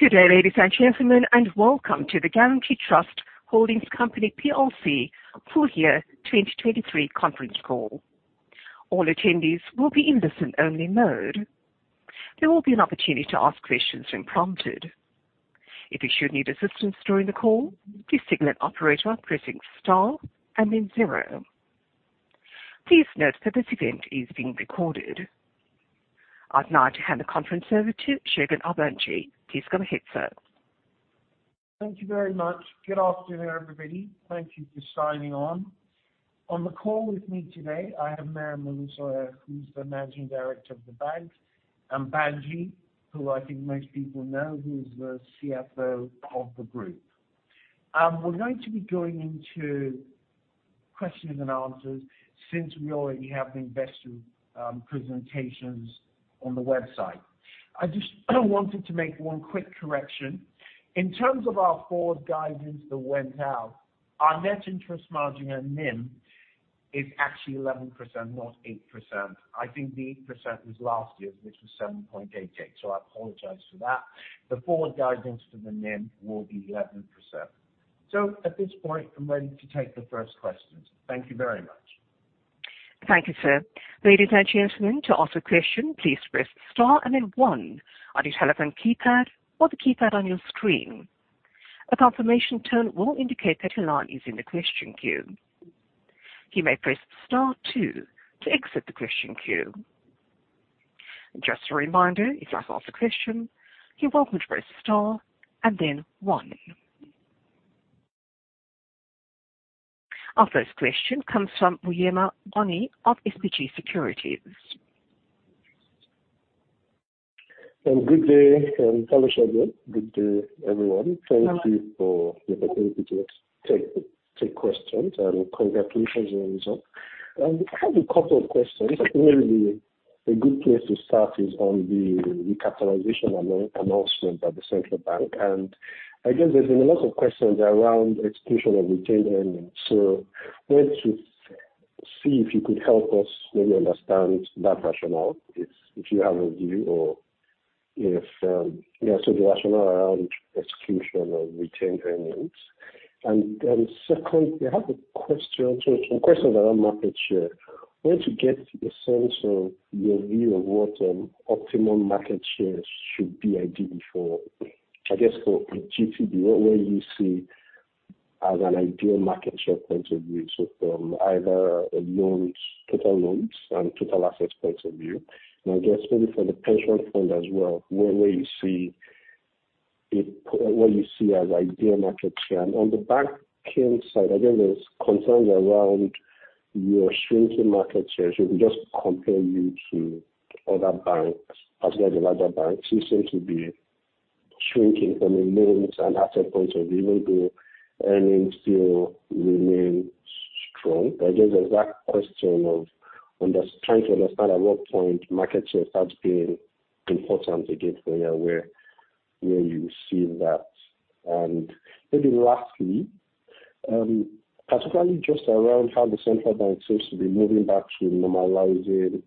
Good day, ladies and gentlemen, and welcome to the Guaranty Trust Holdings Company PLC full year 2023 conference call. All attendees will be in listen-only mode. There will be an opportunity to ask questions when prompted. If you should need assistance during the call, please signal an operator by pressing star and then zero. Please note that this event is being recorded. I'd now like to hand the conference over to Segun Agbaje. Please go ahead, sir. Thank you very much. Good afternoon, everybody. Thank you for signing on. On the call with me today, I have Miriam Olusanya, who's the Managing Director of the bank, and Banji, who I think most people know, who is the CFO of the group. We're going to be going into questions and answers since we already have the investor presentations on the website. I just wanted to make one quick correction. In terms of our forward guidance that went out, our net interest margin and NIM is actually 11%, not 8%. I think the 8% was last year, which was 7.88%, so I apologize for that. The forward guidance for the NIM will be 11%. So at this point, I'm ready to take the first questions. Thank you very much. Thank you, sir. Ladies and gentlemen, to ask a question, please press star and then one on your telephone keypad or the keypad on your screen. A confirmation tone will indicate that your line is in the question queue. You may press star two to exit the question queue. Just a reminder, if you'd like to ask a question, you're welcome to press star and then one. Our first question comes from Uyome Bonny of SBG Securities. Good day, and hello, Segun. Good day, everyone. Thank you for the opportunity to ask questions, and congratulations on the result. I have a couple of questions. I think maybe a good place to start is on the recapitalization announcement by the Central Bank. I guess there's been a lot of questions around exclusion of retained earnings. So wanted to see if you could help us maybe understand that rationale, if you have a view or if yeah, so the rationale around exclusion of retained earnings. And secondly, I have a question, so some questions around market share. I want to get a sense of your view of what optimum market share should be ideally for, I guess, for GTB. Where you see as an ideal market share point of view, so from either a loans, total loans and total assets point of view, and I guess maybe for the pension fund as well, where you see it, what you see as ideal market share. And on the back end side, I guess there's concerns around your shrinking market share. So if we just compare you to other banks, as well as the larger banks, you seem to be shrinking from a loans and asset point of view, even though earnings still remain strong. I guess the exact question of under- trying to understand at what point market share starts being important again, where you see that. And maybe lastly, particularly just around how the central bank seems to be moving back to normalizing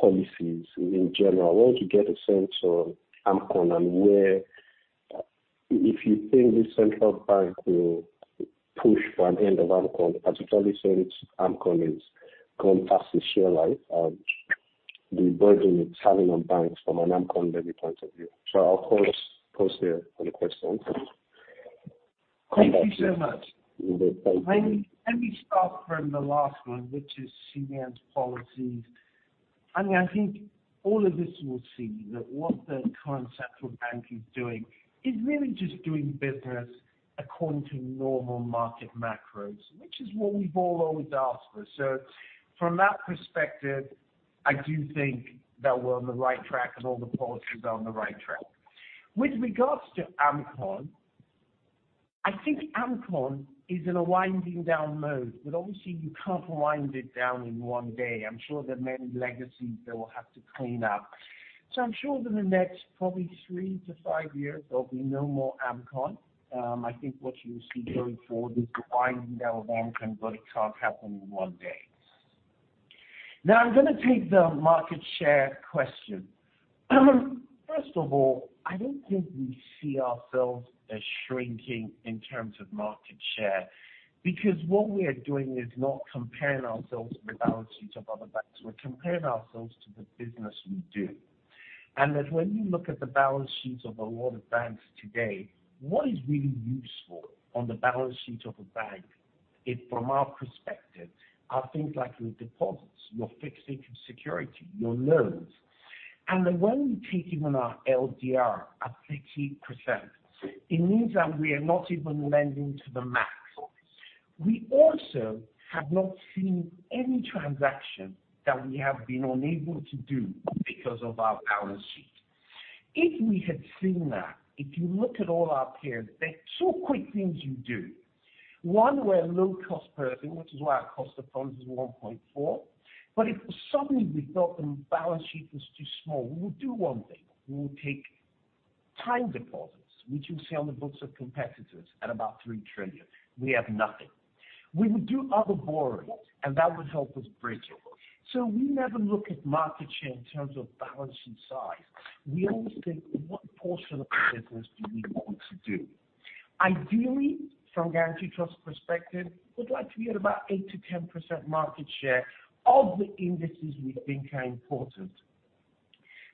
policies in general. I want to get a sense on AMCON and where, if you think the central bank will push for an end of AMCON, particularly since AMCON is gone past the share life and the burden it's having on banks from an AMCON debt point of view. So I'll pause, pause there on the questions. Thank you so much. Thank you. Let me start from the last one, which is CBN's policies. I mean, I think all of this, we'll see that what the current central bank is doing is really just doing business according to normal market macros, which is what we've all always asked for. So from that perspective, I do think that we're on the right track and all the policies are on the right track. With regards to AMCON, I think AMCON is in a winding down mode, but obviously you can't wind it down in one day. I'm sure there are many legacies they will have to clean up. So I'm sure in the next probably three to five years, there'll be no more AMCON. I think what you'll see going forward is the winding down of AMCON, but it can't happen in one day. Now, I'm gonna take the market share question. First of all, I don't think we see ourselves as shrinking in terms of market share, because what we are doing is not comparing ourselves to the balance sheets of other banks. We're comparing ourselves to the business we do. And that when you look at the balance sheets of a lot of banks today, what is really useful on the balance sheet of a bank is, from our perspective, are things like your deposits, your fixed security, your loans. And then when we take even our LDR at 60%, it means that we are not even lending to the max. We also have not seen any transaction that we have been unable to do because of our balance sheet. If we had seen that, if you look at all our peers, there are two quick things you do. One, we're a low-cost producer, which is why our cost of funds is 1.4. But if suddenly we felt the balance sheet was too small, we would do one thing. We would take time deposits, which you see on the books of competitors at about 3 trillion. We have nothing.... We would do other borrowing, and that would help us bridge over. So we never look at market share in terms of balance and size. We always think, what portion of the business do we want to do? Ideally, from Guaranty Trust perspective, we'd like to be at about 8%-10% market share of the indices we think are important.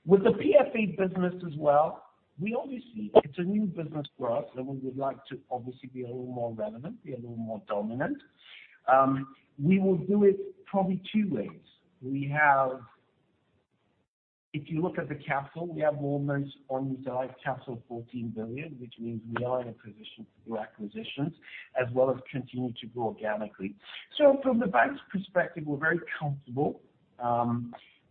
With the PFA business as well, we obviously, it's a new business for us, so we would like to obviously be a little more relevant, be a little more dominant. We will do it probably two ways. We have. If you look at the capital, we have almost unused capital, 14 billion, which means we are in a position to do acquisitions as well as continue to grow organically. So from the bank's perspective, we're very comfortable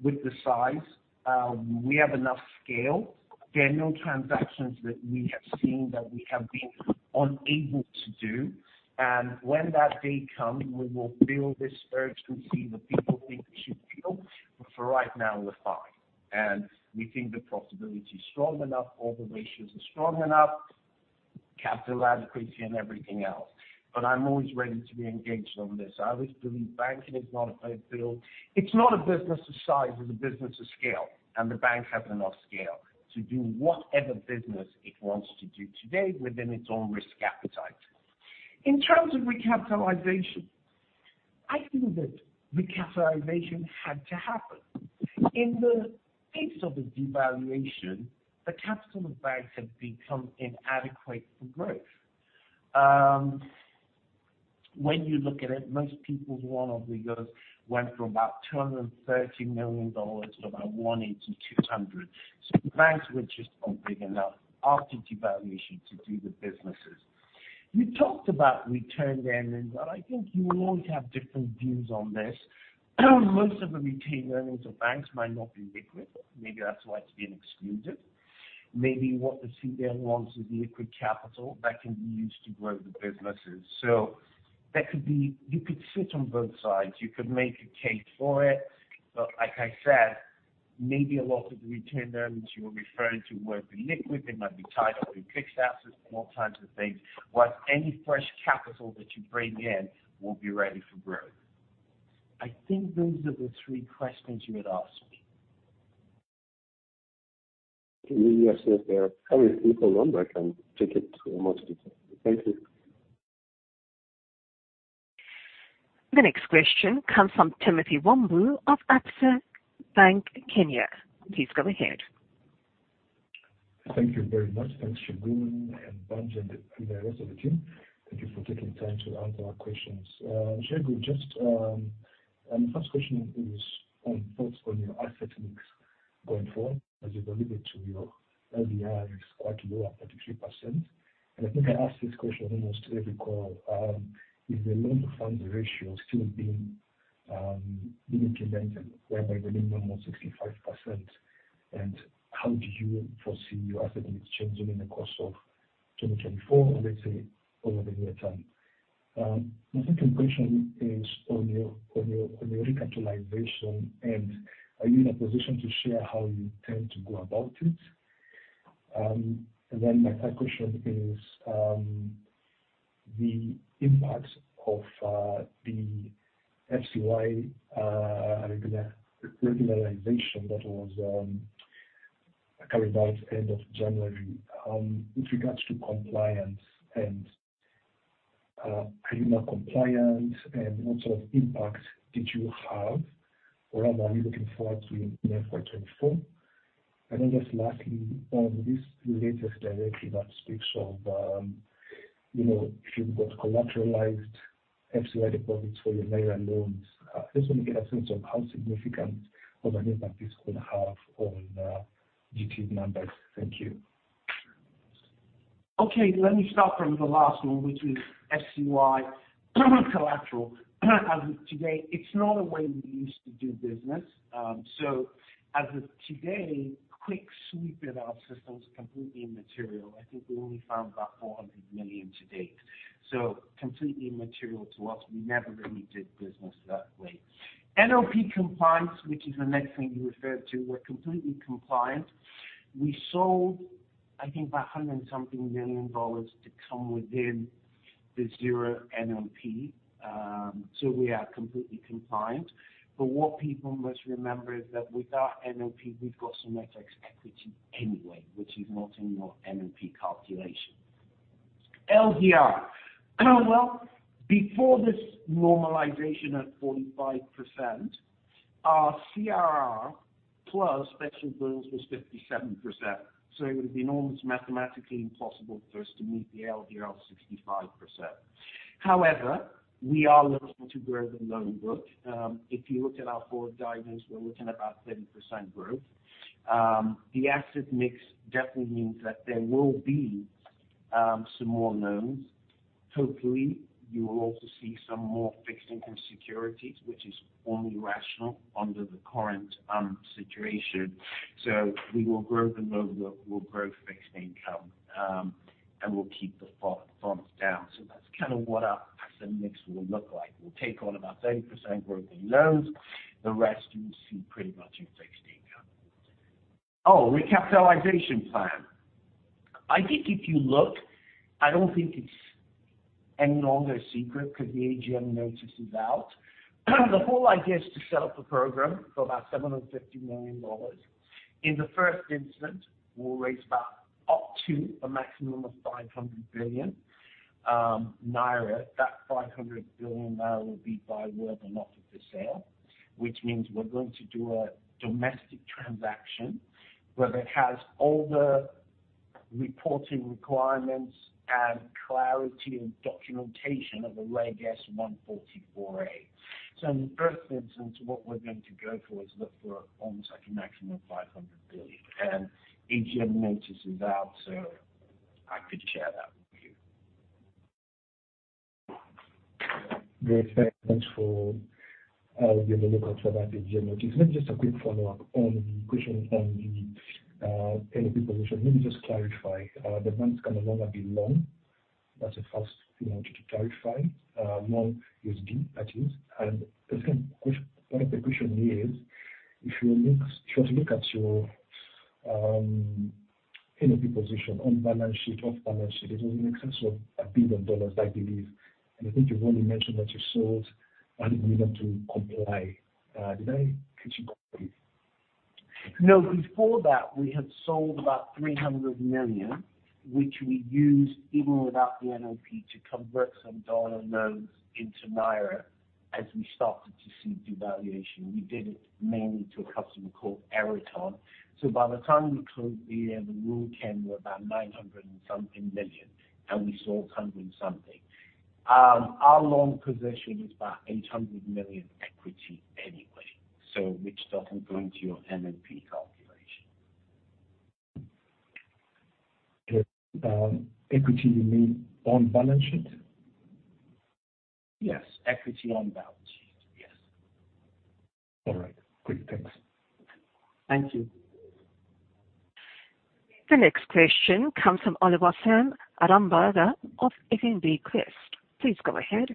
with the size. We have enough scale. There are no transactions that we have seen that we have been unable to do, and when that day comes, we will feel this urgency that people think we should feel. But for right now, we're fine, and we think the profitability is strong enough, all the ratios are strong enough, capital adequacy and everything else. But I'm always ready to be engaged on this. I always believe banking is not a playing field. It's not a business of size, it's a business of scale, and the bank has enough scale to do whatever business it wants to do today within its own risk appetite. In terms of recapitalization, I think that recapitalization had to happen. In the face of the devaluation, the capital of banks had become inadequate for growth. When you look at it, most people, one of the goes, went from about $230 million to about $180-$200. So the banks were just not big enough after devaluation, to do the businesses. You talked about return earnings, but I think you will always have different views on this. Most of the retained earnings of banks might not be liquid. Maybe that's why it's being excluded. Maybe what the CBN wants is liquid capital that can be used to grow the businesses. So that could be... You could sit on both sides. You could make a case for it, but like I said, maybe a lot of the retained earnings you are referring to won't be liquid. They might be tied up in fixed assets and all types of things, whilst any fresh capital that you bring in will be ready for growth. I think those are the three questions you had asked me. Yes, yes, they are. Have your local number. I can take it to most people. Thank you. The next question comes from Timothy Wambu of Absa Bank, Kenya. Please go ahead. Thank you very much. Thanks, Segun and Banji, and the rest of the team. Thank you for taking time to answer our questions. Segun, just, first question is on thoughts on your asset mix going forward, as you believe it to be, your LDR is quite low at 33%. I think I asked this question almost every call. Is the loan-to-deposit ratio still being limited by the minimum of 65%, and how do you foresee your asset mix changing in the course of 2024, and let's say, over the near term? My second question is on your recapitalization, and are you in a position to share how you intend to go about it? And then my third question is the impact of the FCY regularization that was carried out end of January. With regards to compliance and are you now compliant, and what sort of impact did you have, or are you looking forward to in 2024? And then just lastly, on this latest directive that speaks of, you know, if you've got collateralized FCY deposits for your lender loans, I just want to get a sense of how significant of an impact this could have on GTB's numbers. Thank you. Okay, let me start from the last one, which is FCY collateral. As of today, it's not the way we used to do business. So as of today, quick sweep in our system is completely immaterial. I think we only found about $400 million to date. So completely immaterial to us. We never really did business that way. NOP compliance, which is the next thing you referred to, we're completely compliant. We sold, I think, about $150 million to come within the 0 NOP. So we are completely compliant. But what people must remember is that without NOP, we've got some extra equity anyway, which is not in your NOP calculation. LDR. Well, before this normalization at 45%, our CRR plus special bills was 57%, so it would be almost mathematically impossible for us to meet the LDR of 65%. However, we are looking to grow the loan book. If you look at our forward guidance, we're looking at about 30% growth. The asset mix definitely means that there will be some more loans. Hopefully, you will also see some more fixed income securities, which is only rational under the current situation. So we will grow the loan, we'll grow fixed income, and we'll keep the bonds down. So that's kind of what our asset mix will look like. We'll take on about 30% growth in loans. The rest you will see pretty much in fixed income. Oh, recapitalization plan. I think if you look, I don't think it's any longer a secret because the AGM notice is out. The whole idea is to set up a program for about $750 million. In the first instance, we'll raise about up to a maximum of 500 billion naira. That 500 billion naira will be by way of an offer for sale, which means we're going to do a domestic transaction, where it has all the reporting requirements and clarity of documentation of a Reg S 144A. So in the first instance, what we're going to go for is look for almost like a maximum of 500 billion. AGM notice is out, so I could share that with you. Great. Thanks for giving a look at that AGM notice. Maybe just a quick follow-up on the question on the NOP position. Maybe just clarify the banks can no longer be long. That's the first thing I want you to clarify, long USD, that is. And the second question, part of the question is, if you were to look at your NOP position on balance sheet, off balance sheet, it was in excess of $1 billion, I believe. And I think you've only mentioned that you sold only enough to comply. Did I get you correctly? No, before that, we had sold about $300 million, which we used, even without the NNP, to convert some dollar loans into naira, as we started to see devaluation. We did it mainly to a customer called Airtel. So by the time we closed the year, the rule came to about 900-something million, and we sold 100-something. Our loan position is about $800 million equity anyway, so which doesn't go into your NNP calculation. Okay. Equity, you mean on balance sheet? Yes. Equity on balance sheet, yes. All right, great. Thanks. Thank you. The next question comes from Oluwaseun Arambada of FBNQuest. Please go ahead.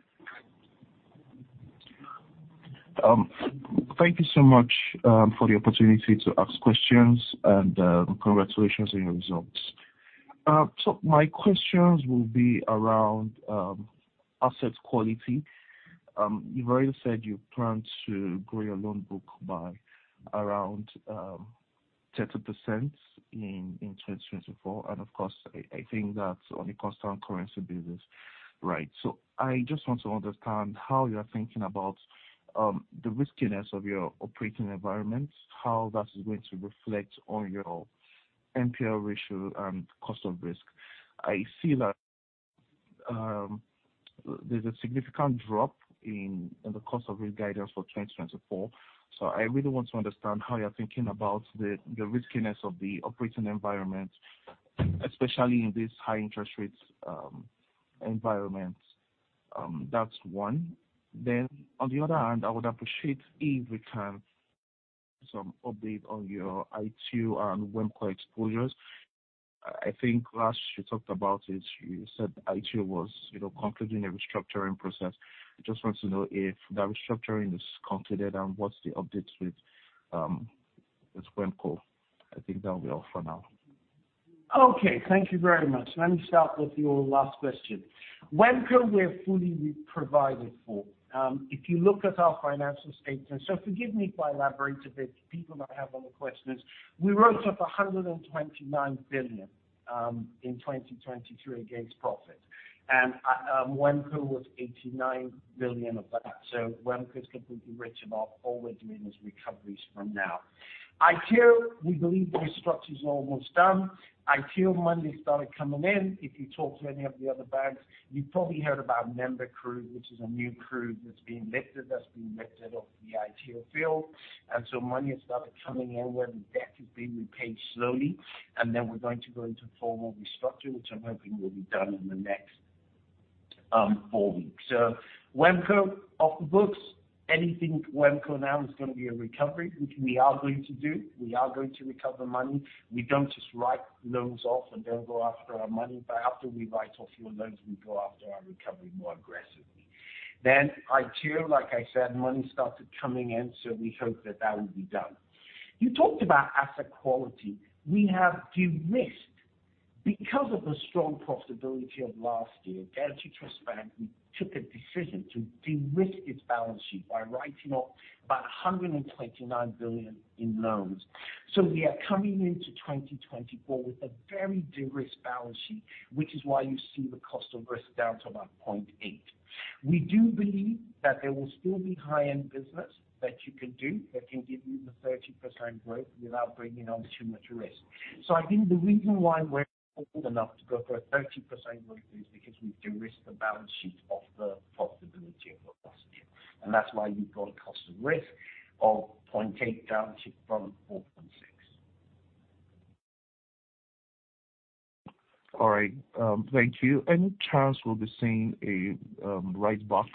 Thank you so much for the opportunity to ask questions and, congratulations on your results. So my questions will be around asset quality. You've already said you plan to grow your loan book by around 30% in 2024. And of course, I think that's on a constant currency basis, right? So I just want to understand how you are thinking about the riskiness of your operating environment, how that is going to reflect on your NPL ratio and cost of risk. I see that there's a significant drop in the cost of risk guidance for 2024. So I really want to understand how you're thinking about the riskiness of the operating environment, especially in this high interest rates environment. That's one. Then on the other hand, I would appreciate if we can some update on your Aiteo and WEMPCO exposures. I think last you talked about it, you said Aiteo was, you know, concluding a restructuring process. I just want to know if that restructuring is concluded and what's the update with, with WEMPCO? I think that will be all for now. Okay, thank you very much. Let me start with your last question. WEMPCO, we're fully provided for. If you look at our financial statements, so forgive me if I elaborate a bit, people that have other questions. We wrote off 129 billion in 2023 against profit, and WEMPCO was 89 billion of that. So WEMPCO is completely written off. All we're doing is recoveries from now. Aiteo, we believe the restructure is almost done. Aiteo money started coming in. If you talk to any of the other banks, you've probably heard about Nembe Creek, which is a new crude that's being lifted, that's being lifted off the Aiteo field. And so money has started coming in, where the debt is being repaid slowly. Then we're going to go into formal restructure, which I'm hoping will be done in the next four weeks. So WEMPCO, off the books. Anything WEMPCO now is going to be a recovery, which we are going to do. We are going to recover money. We don't just write loans off and don't go after our money, but after we write off your loans, we go after our recovery more aggressively. Then Aiteo, like I said, money started coming in, so we hope that that will be done. You talked about asset quality. We have derisked. Because of the strong profitability of last year, Guaranty Trust Bank took a decision to derisk its balance sheet by writing off about 129 billion in loans. We are coming into 2024 with a very derisked balance sheet, which is why you see the cost of risk down to about 0.8%. We do believe that there will still be high-end business that you can do, that can give you the 30% growth without bringing on too much risk. I think the reason why we're bold enough to go for a 30% growth is because we've derisked the balance sheet of the profitability of last year. That's why you've got a cost of risk of 0.8% down from 4.6%. All right. Thank you. Any chance we'll be seeing a write back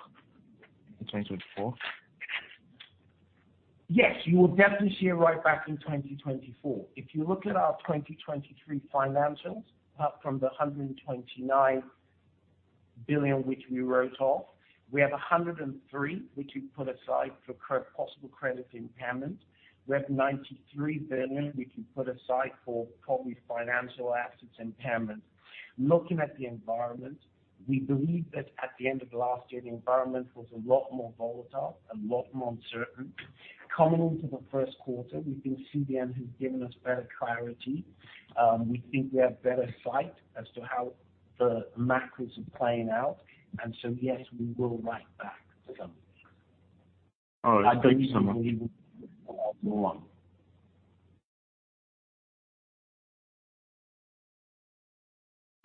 in 2024? Yes, you will definitely see a write back in 2024. If you look at our 2023 financials, apart from the 129 billion, which we wrote off. We have 103 billion, which we put aside for possible credit impairment. We have 93 billion, which we put aside for probably financial assets impairment. Looking at the environment, we believe that at the end of last year, the environment was a lot more volatile, a lot more uncertain. Coming into the first quarter, we think CBN has given us better clarity. We think we have better sight as to how the macros are playing out, and so, yes, we will write back some. All right. Thank you so much.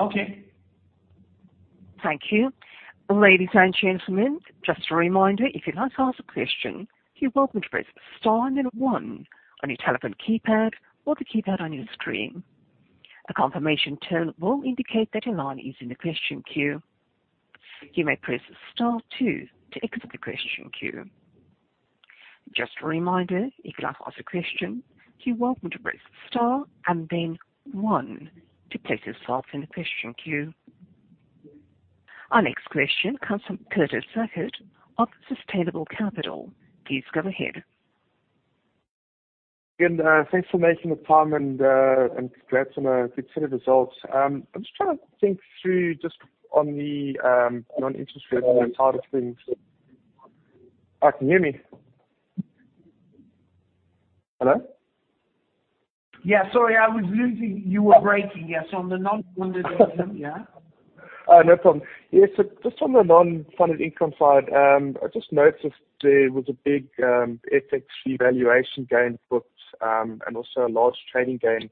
Okay. Thank you. Ladies and gentlemen, just a reminder, if you'd like to ask a question, you're welcome to press star then one on your telephone keypad or the keypad on your screen. A confirmation tone will indicate that your line is in the question queue. You may press star two to exit the question queue. Just a reminder, if you'd like to ask a question, you're welcome to press star and then one to place yourself in the question queue. Our next question comes from Curtis Sasnett of Sustainable Capital. Please go ahead. Thanks for making the time, and congrats on a good set of results. I'm just trying to think through, just on the non-interest rate side of things. Can you hear me? Hello? Yeah, sorry, I was losing. You were breaking. Yes, on the non-funded income, yeah. No problem. Yeah, so just on the non-funded income side, I just noticed there was a big, FX revaluation gain booked, and also a large trading gain.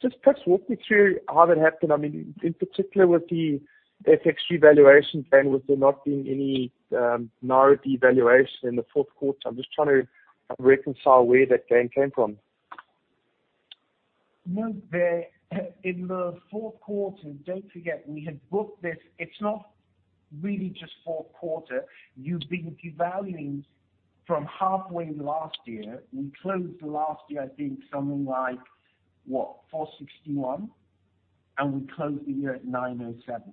Just perhaps walk me through how that happened. I mean, in particular, with the FX revaluation gain, with there not being any, naira devaluation in the fourth quarter. I'm just trying to reconcile where that gain came from. Well, in the fourth quarter, don't forget we had booked this. It's not really just fourth quarter. You've been devaluing from halfway last year. We closed last year, I think, something like 461, and we closed the year at 907.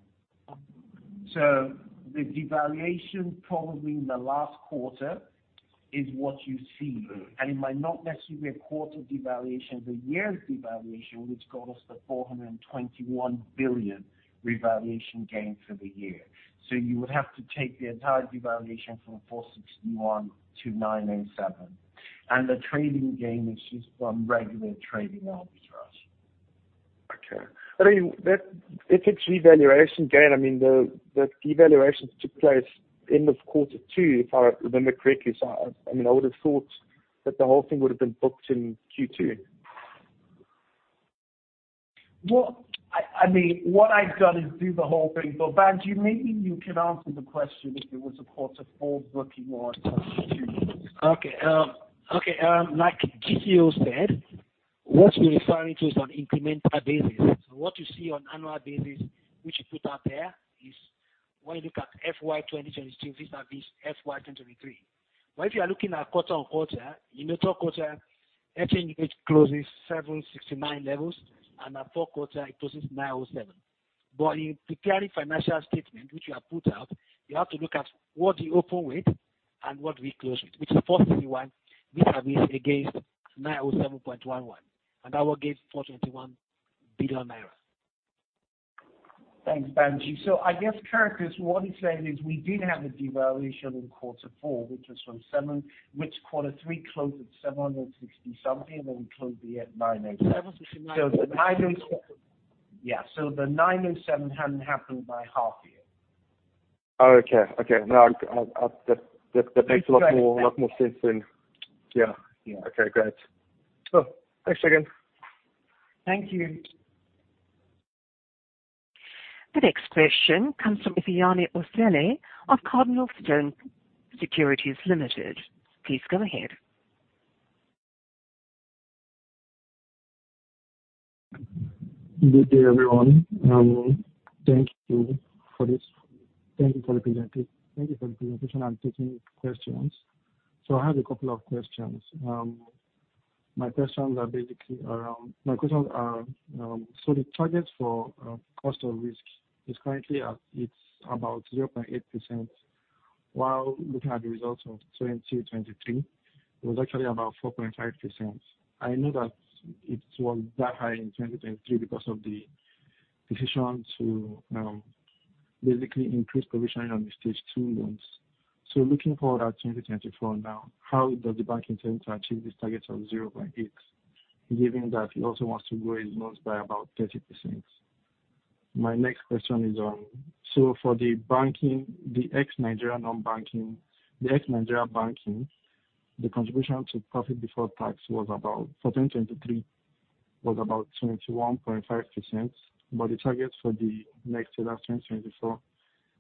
So the devaluation probably in the last quarter is what you see, and it might not necessarily be a quarter devaluation, but year devaluation, which got us the 421 billion revaluation gain for the year. So you would have to take the entire devaluation from 461 to 907, and the trading gain is just from regular trading arbitrage. Okay. I mean, that, if it's revaluation gain, I mean, the devaluations took place end of quarter two, if I remember correctly. So I mean, I would have thought that the whole thing would have been booked in Q2. Well, I mean, what I've done is do the whole thing, but Banji, maybe you can answer the question if it was a quarter four booking or Q2. Like GGO said, what we're referring to is on incremental basis. So what you see on annual basis, which you put up there, is when you look at FX 2022, vis-à-vis FX 2023. But if you are looking at quarter-on-quarter, in the third quarter, FAH closes 769 levels, and at fourth quarter it closes 907. But in preparing financial statement, which you have put out, you have to look at what you open with and what we close with, which is 421, vis-à-vis against 907.11, and that will give 421 billion naira. Thanks, Banji. So I guess, Curtis, what he's saying is we did have a devaluation in quarter four, which was from 760... Quarter three closed at 760-something, and then we closed the year at 907. seven to nine- So the 907... Yeah, so the 907 hadn't happened by half year. Oh, okay. Okay, now I that makes a lot more- Right. A lot more sense than. Yeah. Yeah. Okay, great. So thanks again. Thank you. The next question comes from Ifeanyi Osele of CardinalStone Partners. Please go ahead. Good day, everyone, thank you for this. Thank you for the presentation. I'm taking questions. So I have a couple of questions. My questions are basically around... My questions are, so the target for cost of risk is currently at, it's about 0.8%, while looking at the results of 2023, it was actually about 4.5%. I know that it was that high in 2023 because of the decision to basically increase provisioning on the stage two loans. So looking forward at 2024 now, how does the bank intend to achieve this target of 0.8, given that it also wants to grow its loans by about 30%? My next question is on, so for the banking, the ex-Nigeria non-banking, the ex-Nigeria banking, the contribution to profit before tax was about, for 2023, was about 21.5%, but the target for the next year, that's 2024,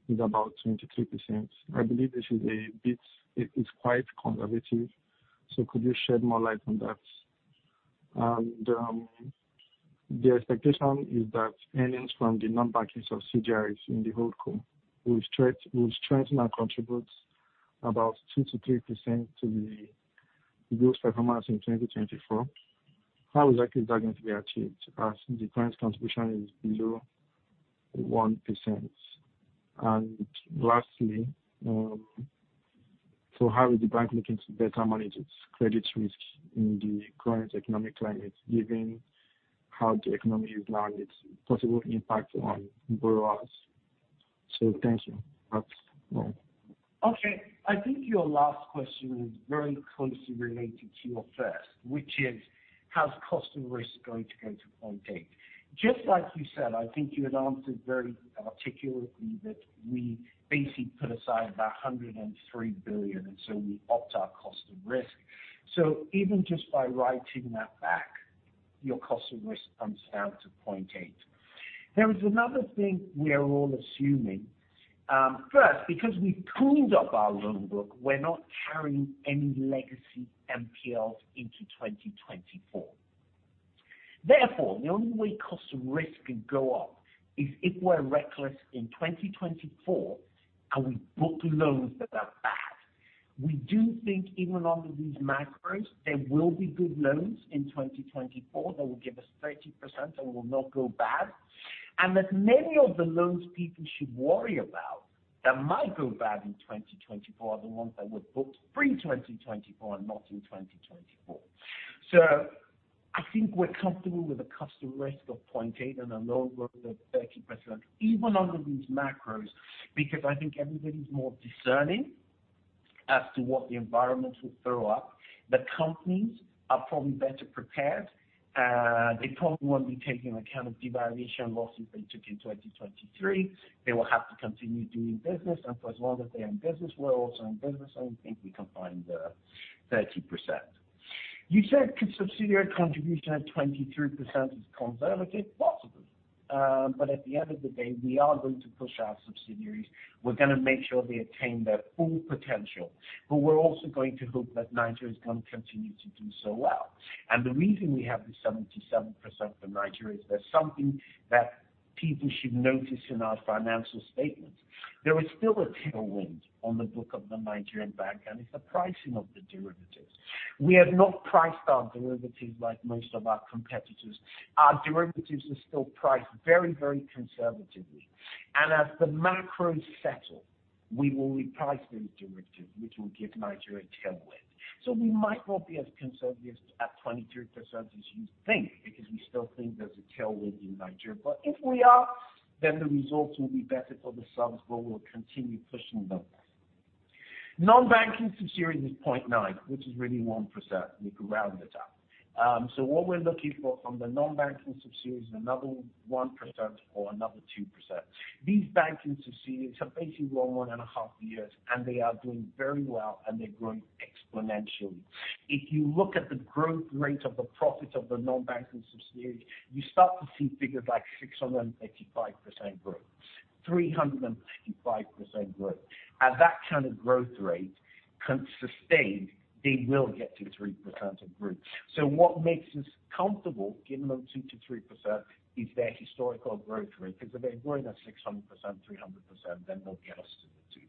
is about 22%. I believe this is a bit, it, it's quite conservative, so could you shed more light on that? And, the expectation is that earnings from the non-banking subsidiary in the hold co, will strengthen our contributes about 2%-3% to the growth performance in 2024, how exactly is that going to be achieved, as the current contribution is below 1%? And lastly, so how is the bank looking to better manage its credit risk in the current economic climate, given how the economy is now and its possible impact on borrowers? So thank you. That's all. Okay. I think your last question is very closely related to your first, which is, how is cost of risk going to go to 0.8%? Just like you said, I think you had answered very articulately that we basically put aside about 103 billion, and so we upped our cost of risk. So even just by writing that back, your cost of risk comes down to 0.8%. There is another thing we are all assuming. First, because we've cleaned up our loan book, we're not carrying any legacy NPLs into 2024. Therefore, the only way cost of risk can go up is if we're reckless in 2024, and we book loans that are bad. We do think even under these macros, there will be good loans in 2024 that will give us 30% and will not go bad, and that many of the loans people should worry about that might go bad in 2024 are the ones that were booked pre-2024 and not in 2024. So I think we're comfortable with a customer risk of 0.8 and a loan growth of 30%, even under these macros, because I think everybody's more discerning as to what the environment will throw up. The companies are probably better prepared. They probably won't be taking account of devaluation losses they took in 2023. They will have to continue doing business, and for as long as they're in business, we're also in business. I think we can find the 30%. You said, could subsidiary contribution at 23% is conservative? Possible. But at the end of the day, we are going to push our subsidiaries. We're gonna make sure they attain their full potential. But we're also going to hope that Nigeria is going to continue to do so well. And the reason we have this 77% for Nigeria is there's something that people should notice in our financial statements. There is still a tailwind on the book of the Nigerian bank, and it's the pricing of the derivatives. We have not priced our derivatives like most of our competitors. Our derivatives are still priced very, very conservatively, and as the macros settle, we will reprice those derivatives, which will give Nigeria a tailwind. So we might not be as conservative at 23% as you think, because we still think there's a tailwind in Nigeria. But if we are, then the results will be better for the subs, but we'll continue pushing them. Non-banking subsidiary is 0.9, which is really 1%. We could round it up. So what we're looking for from the non-banking subsidiaries is another 1% or another 2%. These banking subsidiaries have basically run 1.5 years, and they are doing very well, and they're growing exponentially. If you look at the growth rate of the profits of the non-banking subsidiaries, you start to see figures like 685% growth, 385% growth. At that kind of growth rate, consistently sustained, they will get to 3% of growth. What makes us comfortable giving them 2%-3% is their historical growth rate, because if they're growing at 600%, 300%, then they'll get us to the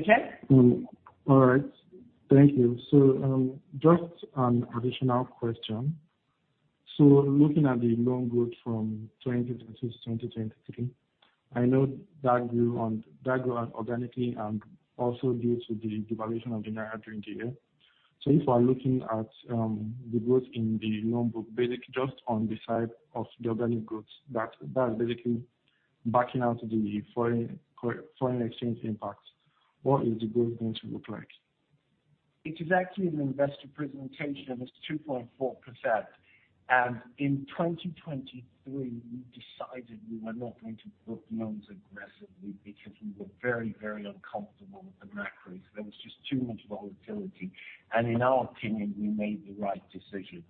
2%-3%. Okay? All right. Thank you. So, just an additional question. So looking at the loan growth from 2022 to 2023, I know that grew organically and also due to the devaluation of the naira during the year. So if we're looking at the growth in the loan book, basically just on the side of the organic growth, that is basically backing out the foreign exchange impact, what is the growth going to look like? It is actually in the investor presentation, it's 2.4%. In 2023, we decided we were not going to book loans aggressively because we were very, very uncomfortable with the macros. There was just too much volatility, and in our opinion, we made the right decision.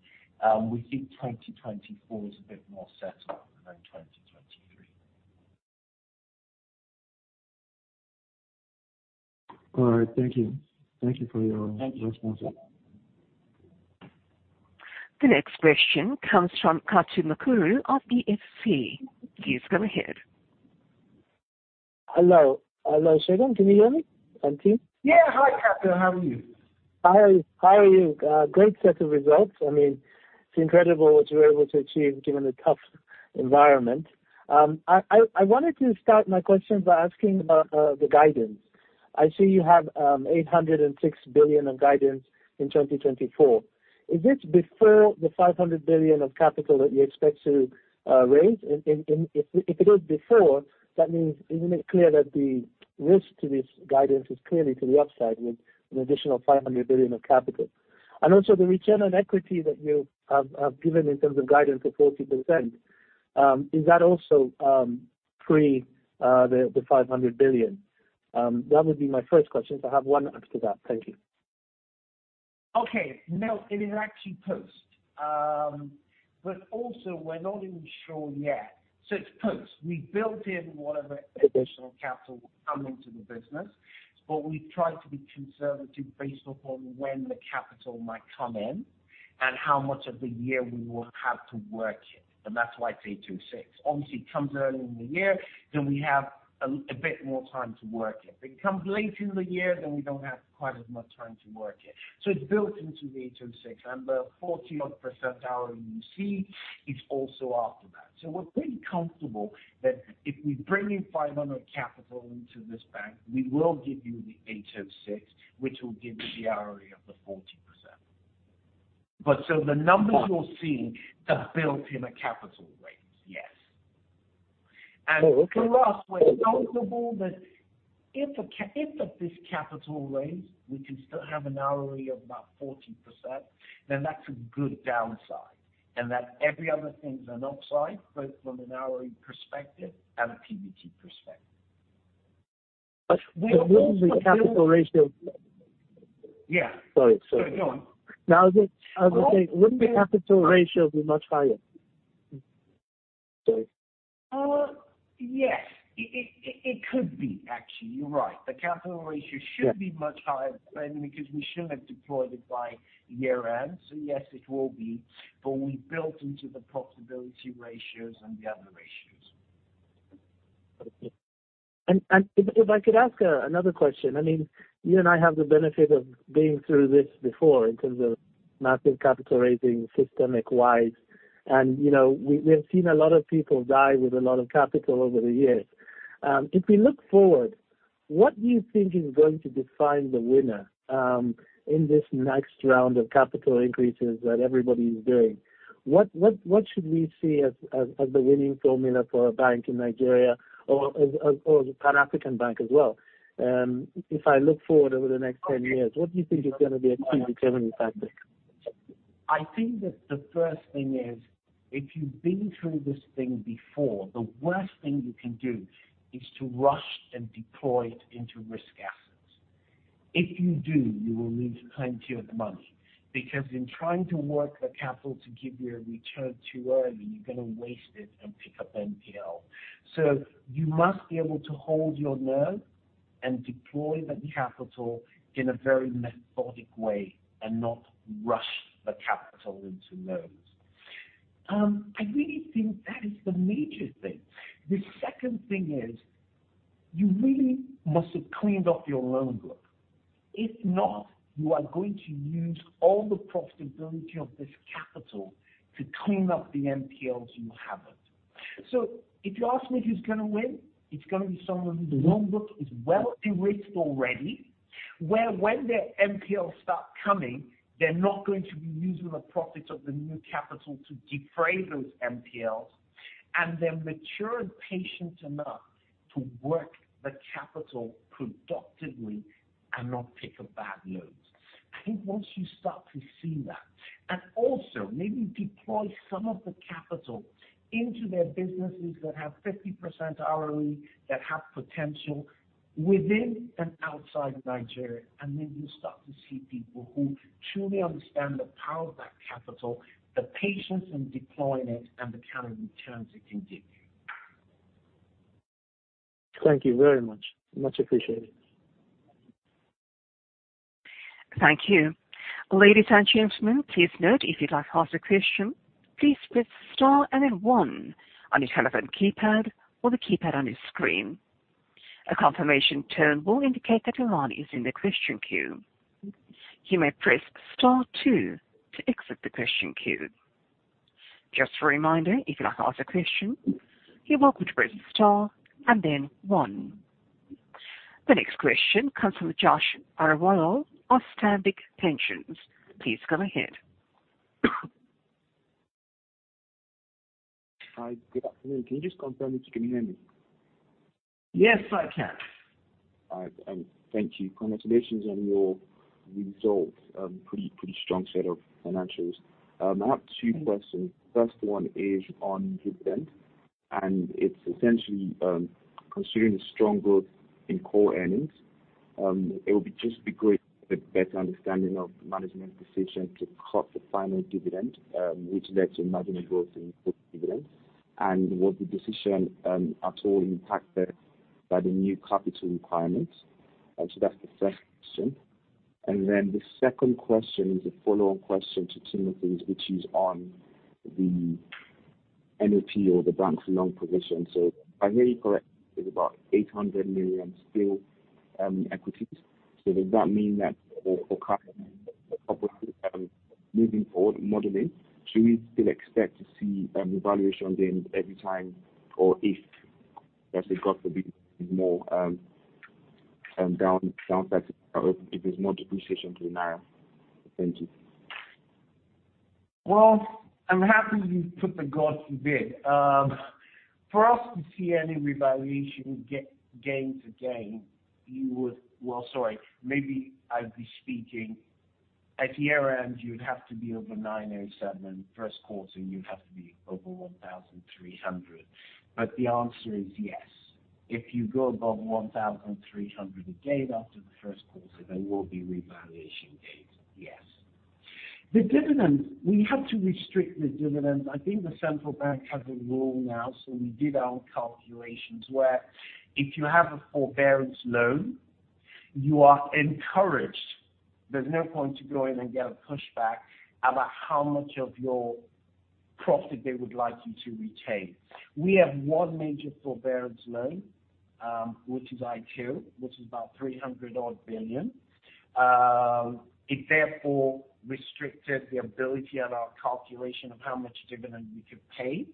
We think 2024 is a bit more settled than 2023. All right. Thank you. Thank you for your response. Thank you. The next question comes from Kato Mukuru of EFG Hermes. Please go ahead. Hello. Hello, Segun. Can you hear me and team? Yeah. Hi, Kato. How are you? Hi. How are you? Great set of results. I mean, it's incredible what you were able to achieve given the tough environment. I wanted to start my question by asking about the guidance. I see you have 806 billion of guidance in 2024. Is this before the 500 billion of capital that you expect to raise? And if it is before, that means, isn't it clear that the risk to this guidance is clearly to the upside, with an additional 500 billion of capital? And also, the return on equity that you have given in terms of guidance of 40%, is that also pre the 500 billion? That would be my first question. So I have one after that. Thank you. Okay. No, it is actually post. But also we're not even sure yet. So it's first, we built in whatever additional capital will come into the business, but we've tried to be conservative based upon when the capital might come in and how much of the year we will have to work it, and that's why it's 8.06. Obviously, it comes early in the year, then we have a bit more time to work it. If it comes late in the year, then we don't have quite as much time to work it. So it's built into the 8.06, and the 40-odd% ROE you see is also after that. So we're pretty comfortable that if we bring in $500 capital into this bank, we will give you the 8.06, which will give you the ROE of the 40%. The numbers you'll see have built in a capital raise, yes. Oh, okay. And for us, we're comfortable that if at this capital raise, we can still have an ROE of about 40%, then that's a good downside. And that every other thing is an upside, both from an ROE perspective and a PBT perspective. But will the capital ratio- Yeah. Sorry, sorry. Go on. Now, I was just saying, wouldn't the capital ratio be much higher? Sorry. Yes, it could be actually. You're right. The capital ratio- Yeah... should be much higher, I mean, because we should have deployed it by year end. So yes, it will be, but we built into the profitability ratios and the other ratios. Okay. And if I could ask another question, I mean, you and I have the benefit of being through this before in terms of massive capital raising, systemic-wide, and, you know, we have seen a lot of people die with a lot of capital over the years. If we look forward, what do you think is going to define the winner in this next round of capital increases that everybody is doing? What should we see as the winning formula for a bank in Nigeria or the Pan-African Bank as well? If I look forward over the next 10 years, what do you think is gonna be a key determining factor? I think that the first thing is, if you've been through this thing before, the worst thing you can do is to rush and deploy it into risk assets. If you do, you will lose plenty of money, because in trying to work the capital to give you a return too early, you're gonna waste it and pick up NPL. So you must be able to hold your nerve and deploy the capital in a very methodic way and not rush the capital into loans. I really think that is the major thing. The second thing is, you really must have cleaned up your loan book. If not, you are going to use all the profitability of this capital to clean up the NPLs you haven't. So if you ask me who's gonna win, it's gonna be someone whose loan book is well derisked already, where when their NPLs start coming, they're not going to be using the profits of the new capital to defray those NPLs, and they're mature and patient enough to work the capital productively and not pick up bad loans. I think once you start to see that, and also maybe deploy some of the capital into their businesses that have 50% ROE, that have potential within and outside Nigeria, and then you start to see people who truly understand the power of that capital, the patience in deploying it and the kind of returns it can give you. Thank you very much. Much appreciated. Thank you. Ladies and gentlemen, please note, if you'd like to ask a question, please press star and then one on your telephone keypad or the keypad on your screen. A confirmation tone will indicate that your line is in the question queue. You may press star two to exit the question queue. Just a reminder, if you'd like to ask a question, you're welcome to press star and then one. The next question comes from Josh Oroyo of Stanbic Pensions. Please go ahead. Hi, good afternoon. Can you just confirm if you can hear me? Yes, I can. All right, thank you. Congratulations on your results. Pretty, pretty strong set of financials. I have two questions. First one is on dividend, and it's essentially, considering the strong growth in core earnings, it would just be great to get a better understanding of management's decision to cut the final dividend, which led to marginal growth in dividend. And was the decision at all impacted by the new capital requirements? So that's the first question. And then the second question is a follow-on question to Timothy's, which is on the NOP or the bank's loan position. So if I hear you correct, it's about $800 million still, equities. So does that mean that for moving forward modeling, should we still expect to see revaluation again, every time, or if, as they got a bit more down, down that... If there's more depreciation to the naira? Thank you. Well, I'm happy you put the Q to bed. For us to see any revaluation gains again, you would... Well, sorry, maybe I'd be speaking at year-end, you'd have to be over 987, first quarter, you'd have to over 1,300. But the answer is yes. If you go above 1,300 again, after the first quarter, there will be revaluation gains, yes. The dividend, we had to restrict the dividend. I think the central bank has a rule now, so we did our own calculations, where if you have a forbearance loan, you are encouraged. There's no point to go in and get a pushback about how much of your profit they would like you to retain. We have one major forbearance loan, which is Aiteo, which is about 300 billion. It therefore restricted the ability of our calculation of how much dividend we could pay.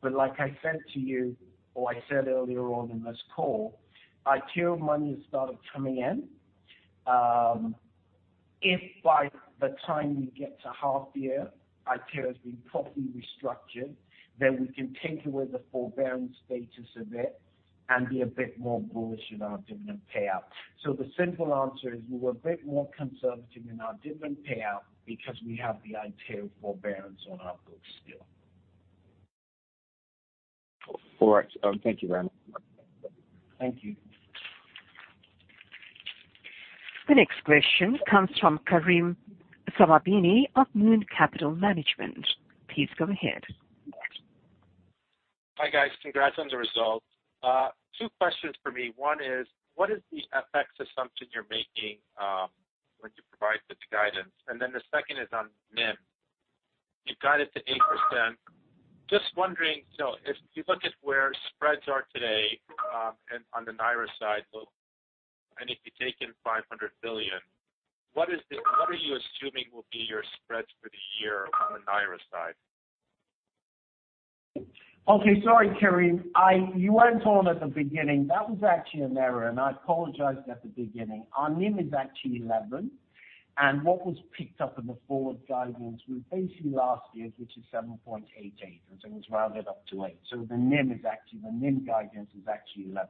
But like I said to you, or I said earlier on in this call, Aiteo money has started coming in. If by the time we get to half year, Aiteo has been properly restructured, then we can take away the forbearance status of it and be a bit more bullish in our dividend payout. So the simple answer is, we're a bit more conservative in our dividend payout because we have the Aiteo forbearance on our books still. All right. Thank you very much. Thank you. The next question comes from Karim Sawabini of Moon Capital Management. Please go ahead. Hi, guys. Congrats on the results. two questions for me. one is, what is the FX assumption you're making, when you provide the guidance? And then the second is on NIM. You've got it to 8%. Just wondering, so if you look at where spreads are today, and on the Naira side, well, and if you take in 500 billion, what is the - what are you assuming will be your spreads for the year on the Naira side? Okay. Sorry, Karim. You weren't on at the beginning. That was actually an error, and I apologized at the beginning. Our NIM is actually 11, and what was picked up in the forward guidance was basically last year, which is 7.88, and it was rounded up to eight. So the NIM is actually, the NIM guidance is actually 11%.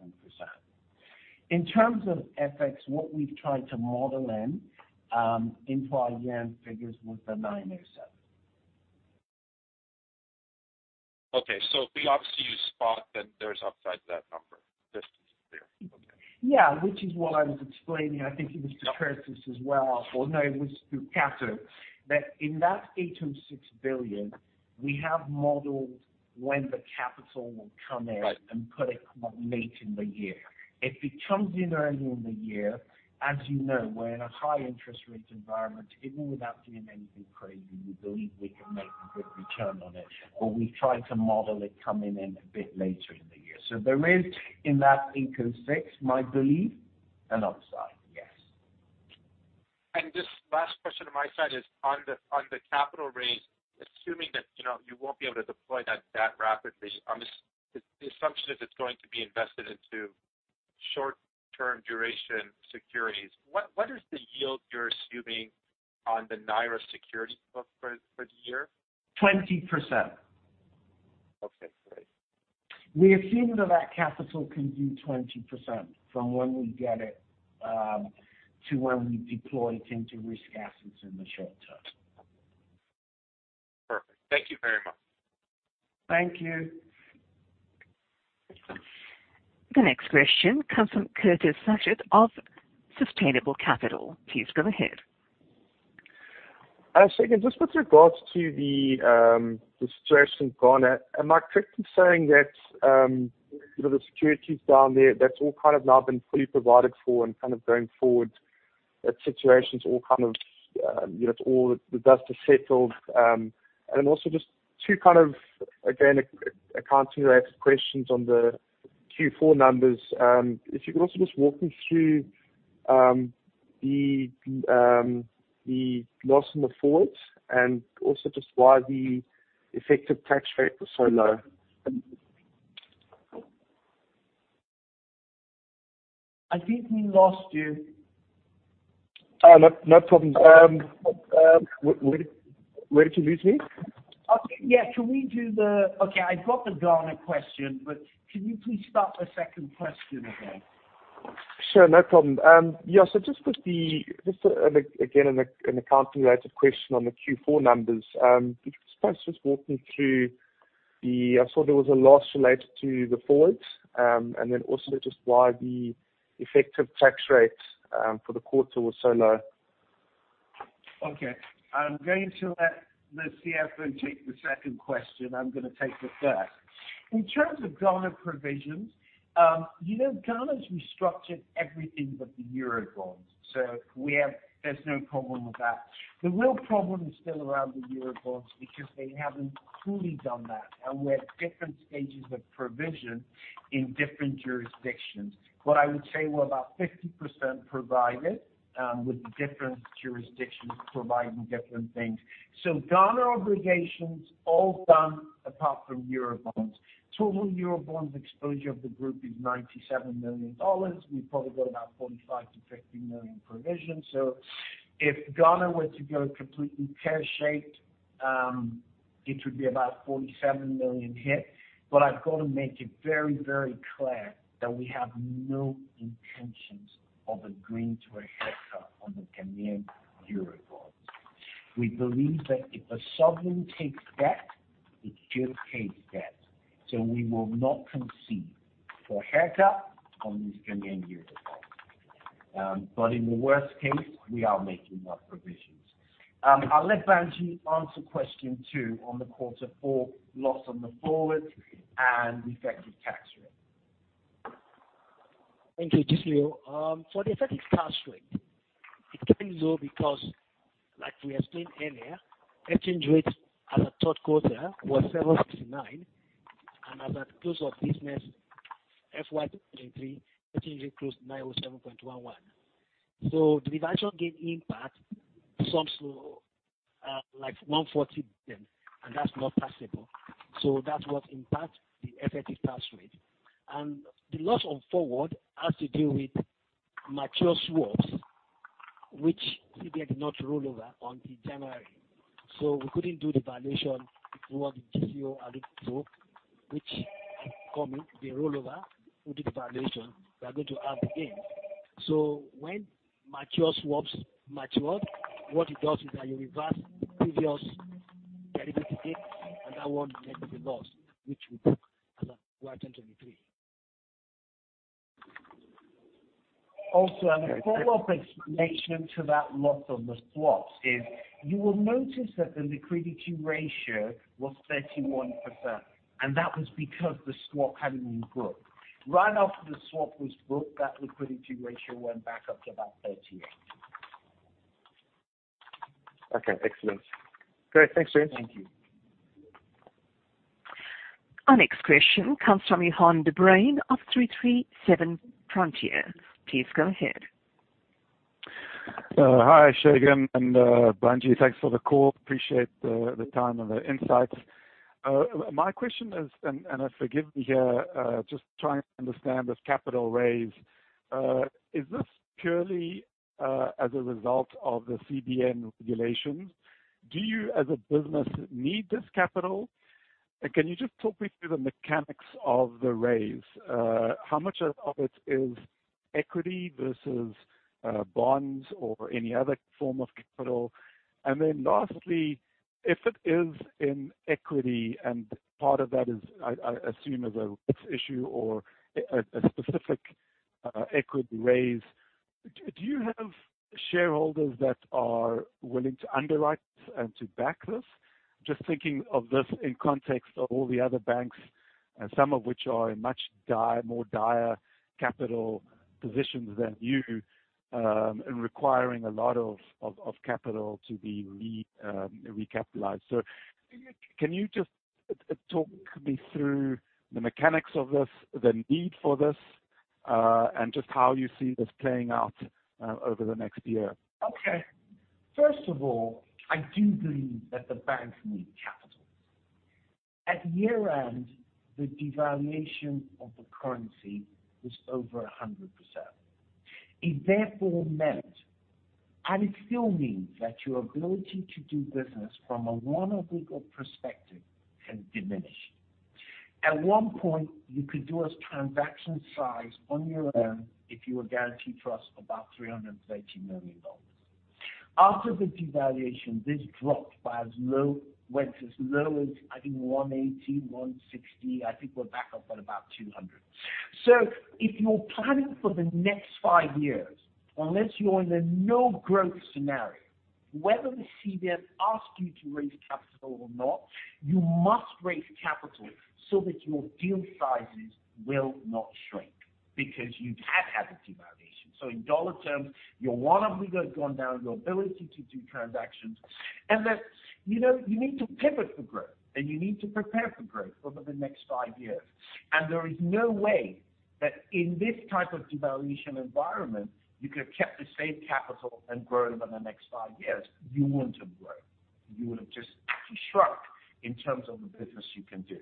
In terms of FX, what we've tried to model into our year-end figures was the 907. Okay. So we obviously spot that there's upside to that number. Just there. Okay. Yeah, which is what I was explaining. I think it was to Curtis as well, or no, it was to Catherine, that in that 806 billion, we have modeled when the capital will come in- Right. - and put it late in the year. If it comes in early in the year, as you know, we're in a high interest rate environment. Even without doing anything crazy, we believe we can make a good return on it, or we try to model it coming in a bit later in the year. So there is, in that 806, my belief, an upside, yes. Just last question on my side is on the capital raise, assuming that, you know, you won't be able to deploy that rapidly, the assumption is it's going to be invested into short-term duration securities. What is the yield you're assuming on the Naira security book for the year? 20%. Okay, great. We assume that capital can do 20% from when we get it, to when we deploy it into risk assets in the short term. Perfect. Thank you very much. Thank you. The next question comes from Curtis Sasnett of Sustainable Capital. Please go ahead. Segun, just with regards to the situation in Ghana, am I correct in saying that you know, the securities down there, that's all kind of now been fully provided for and kind of going forward, that situation's all kind of you know, all the dust has settled? And then also just two kind of, again, accounting-related questions on the Q4 numbers. If you could also just walk me through the loss in the forward, and also just why the effective tax rate was so low. I think we lost you. No, no problem. Where did you lose me? Okay. Yeah, can we do the... Okay, I got the Ghana question, but can you please start the second question again? Sure, no problem. Yeah, so just the accounting-related question on the Q4 numbers. Could you just perhaps walk me through the—I saw there was a loss related to the forwards, and then also just why the effective tax rate for the quarter was so low. Okay, I'm going to let the CFO take the second question. I'm gonna take the first. In terms of Ghana provisions, you know, Ghana's restructured everything but the Eurobonds, so we have, there's no problem with that. The real problem is still around the Eurobonds, because they haven't fully done that, and we're at different stages of provision in different jurisdictions. What I would say, we're about 50% provided, with the different jurisdictions providing different things. So Ghana obligations, all done, apart from Eurobonds. Total Eurobonds exposure of the group is $97 million. We've probably got about $45 million-$50 million provision. So if Ghana were to go completely pear-shaped, it would be about $47 million hit. But I've got to make it very, very clear that we have no intentions of agreeing to a haircut on the Ghanaian Eurobond. We believe that if a sovereign takes debt, it just takes debt. So we will not concede for haircut on these Nigerian sovereign default. But in the worst case, we are making our provisions. I'll let Banji answer question two on the quarter four loss on the forward and the effective tax rate. Thank you, Gisli. For the effective tax rate, it came low because like we explained earlier, exchange rate as at third quarter was 769, and as at close of business, FY 2023, exchange rate closed 907.11. So the devaluation gain impact sums to, like 140 billion, and that's not taxable. So that's what impact the effective tax rate. And the loss on forward has to do with mature swaps, which CBN did not roll over in January. So we couldn't do the valuation through what the GTCO had approved, which coming, the rollover, we'll do the valuation, we are going to have the gain. So when mature swaps mature, what it does is that you reverse the previous derivative gain, and that one will be the loss, which we took as at FY 2023. Also, a follow-up explanation to that loss on the swaps is, you will notice that the liquidity ratio was 31%, and that was because the swap hadn't been booked. Right after the swap was booked, that liquidity ratio went back up to about 38%. Okay, excellent. Great. Thanks, James. Thank you. Our next question comes from Johan de Bruin of 337 Frontier Capital. Please go ahead. Hi, Segun and Banji. Thanks for the call. Appreciate the time and the insights. My question is, and forgive me here, just trying to understand this capital raise. Is this purely as a result of the CBN regulations? Do you, as a business, need this capital? And can you just talk me through the mechanics of the raise? How much of it is equity versus bonds or any other form of capital? And then lastly, if it is in equity, and part of that is, I assume, an issue or a specific equity raise, do you have shareholders that are willing to underwrite and to back this? Just thinking of this in context of all the other banks, and some of which are in much dire, more dire capital positions than you, and requiring a lot of capital to be recapitalized. So can you just talk me through the mechanics of this, the need for this, and just how you see this playing out over the next year? Okay. First of all, I do believe that the banks need capital. At year-end, the devaluation of the currency was over 100%. It therefore meant, and it still means, that your ability to do business from a one-off legal perspective has diminished. At one point, you could do a transaction size on your own if you were Guaranty Trust, about $380 million. After the devaluation, this went as low as, I think, $180, $160. I think we're back up at about $200. So if you're planning for the next five years, unless you're in a no-growth scenario, whether the CBN asked you to raise capital or not, you must raise capital so that your deal sizes will not shrink, because you have had a devaluation. So in dollar terms, your one-off legal has gone down, your ability to do transactions, and that, you know, you need to pivot for growth, and you need to prepare for growth over the next five years. There is no way that in this type of devaluation environment, you could have kept the same capital and grown over the next five years. You wouldn't have grown. You would have just shrunk in terms of the business you can do.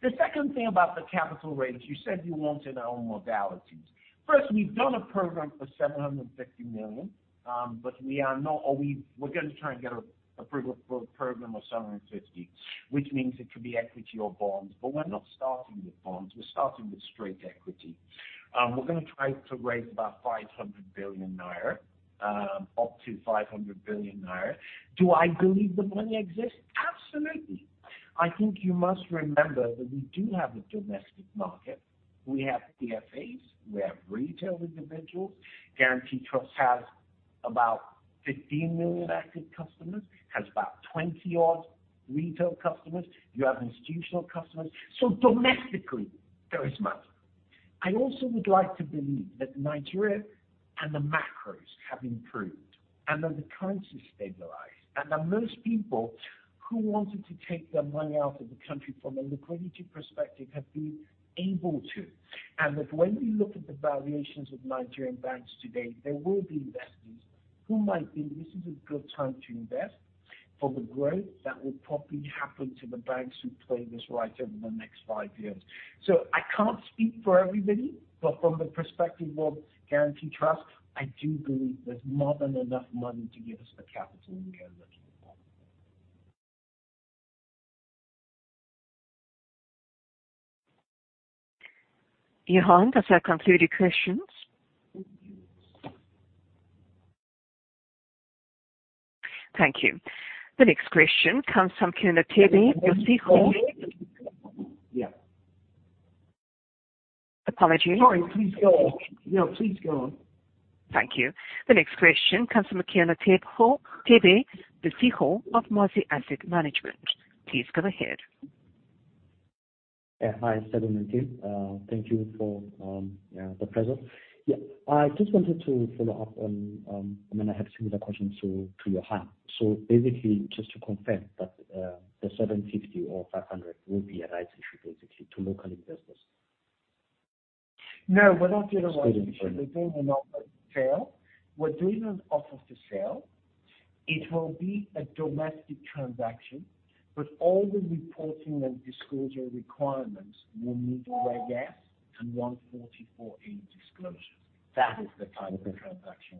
The second thing about the capital raise, you said you wanted our own modalities. First, we've done a program for $750 million, but we're going to try and get approved a program of $750 million, which means it could be equity or bonds, but we're not starting with bonds, we're starting with straight equity. We're gonna try to raise about 500 billion naira, up to 500 billion naira. Do I believe the money exists? Absolutely! I think you must remember that we do have a domestic market. We have PFAs, we have retail individuals. Guaranty Trust has about 15 million active customers, has about 20-odd retail customers. You have institutional customers. So domestically, there is money. I also would like to believe that Nigeria and the macros have improved, and that the currency is stabilized, and that most people who wanted to take their money out of the country from a liquidity perspective, have been able to. That when we look at the valuations of Nigerian banks today, there will be investors who might think this is a good time to invest for the growth that will probably happen to the banks who play this right over the next five years. I can't speak for everybody, but from the perspective of Guaranty Trust, I do believe there's more than enough money to give us the capital we need.... Johan, does that conclude your questions? Thank you. The next question comes from Kina Tebe. Yeah. Apologies. Sorry, please go on. No, please go on. Thank you. The next question comes from Kina Tebe of Mazi Asset Management. Please go ahead. Yeah, hi. Thank you for the pleasure. Yeah, I just wanted to follow up on, I mean, I have similar questions to Johan. So basically, just to confirm that the 750 or 500 will be a right issue, basically, to local investors? No, we're not doing a right issue. We're doing an offer for sale. We're doing an offer for sale. It will be a domestic transaction, but all the reporting and disclosure requirements will meet Reg S and 144A disclosures. That is the type of transaction.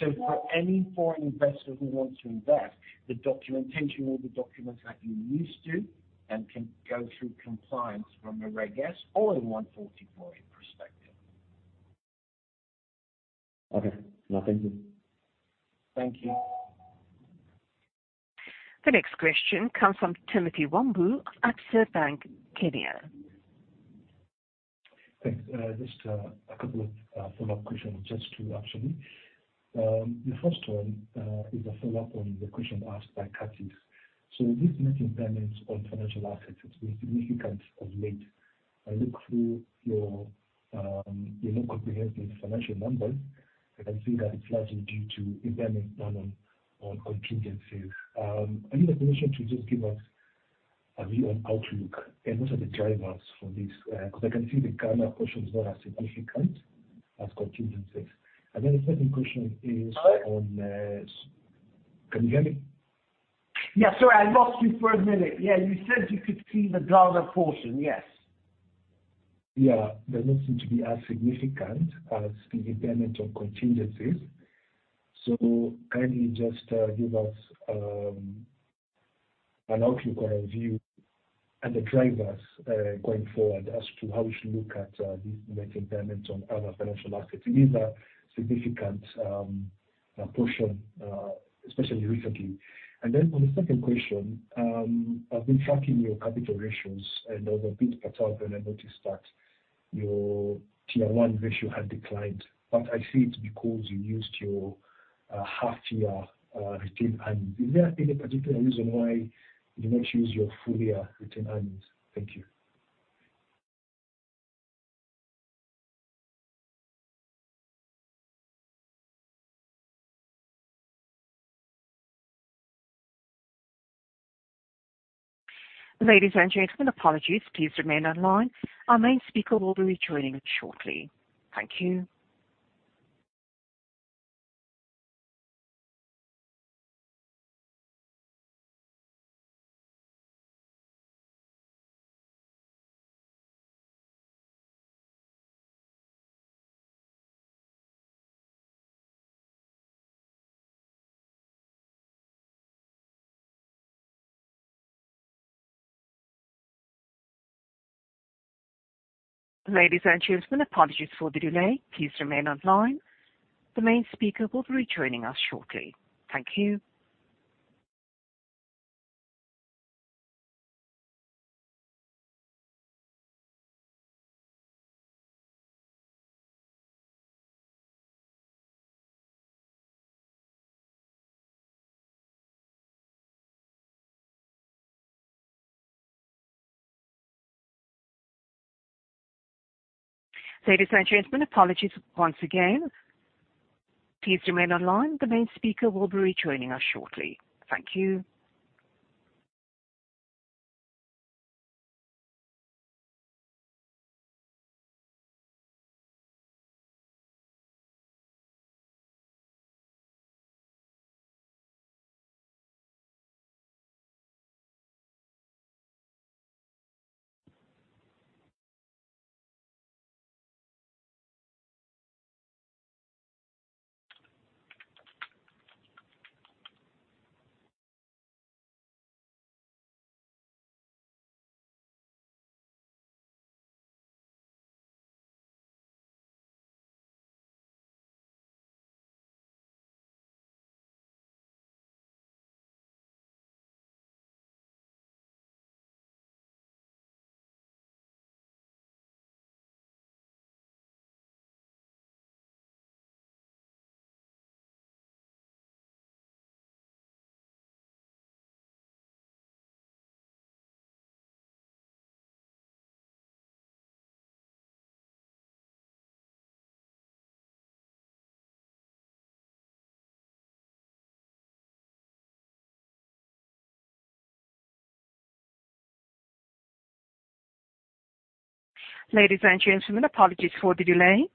So for any foreign investor who wants to invest, the documentation will be documents that you're used to, and can go through compliance from a Reg S or a 144A perspective. Okay. No, thank you. Thank you. The next question comes from Timothy Wambu of Absa Bank Kenya. Thanks. Just a couple of follow-up questions. Just two, actually. The first one is a follow-up on the question asked by inaudible. So this net impairment on financial assets has been significant of late. I look through your comprehensive financial numbers, and I see that it's largely due to impairment done on contingencies. I need permission to just give us a view on outlook, and what are the drivers for this? Because I can see the inaudible portion is not as significant as contingencies. And then the second question is on, Sorry? Can you hear me? Yeah, sorry, I lost you for a minute. Yeah, you said you could see the inaudible portion, yes. Yeah. That doesn't seem to be as significant as the impairment on contingencies. So can you just give us an outlook or a view and the drivers going forward as to how we should look at these net impairments on other financial markets? It is a significant portion, especially recently. And then for the second question, I've been tracking your capital ratios, and I was a bit perturbed when I noticed that your Tier 1 ratio had declined, but I see it's because you used your half-year retained earnings. Is there any particular reason why you did not use your full-year retained earnings? Thank you. Ladies and gentlemen, apologies. Please remain online. Our main speaker will be rejoining shortly. Thank you. Ladies and gentlemen, apologies for the delay. Please remain online. The main speaker will be rejoining us shortly. Thank you. Ladies and gentlemen, apologies once again. Please remain online. The main speaker will be rejoining us shortly. Thank you. Ladies and gentlemen, apologies for the delay.